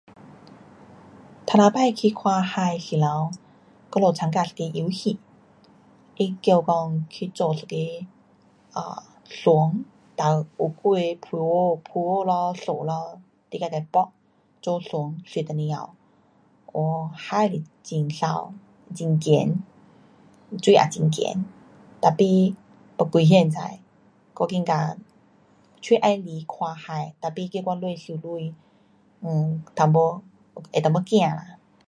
头一次去看海时头，我们参加一个游戏。它叫讲去做一个[um]船。哒有几个浮轮，浮轮，绳咯，你自自挷挷做船坐在上面头。哦，海是很美，很咸。水也很咸。tapi又危险知？我觉得蛮喜欢看海，tapi叫我下游泳[um]一点，会一点怕啦。